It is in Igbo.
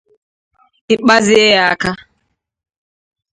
Ị kpazịe ya aka